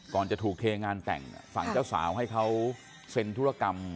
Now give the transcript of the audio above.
จะถูกเทงานแต่งฝั่งเจ้าสาวให้เขาเซ็นธุรกรรม